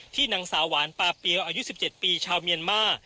นางสาวหวานปาเปียวอายุ๑๗ปีชาวเมียนมา